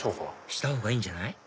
した方がいいんじゃない？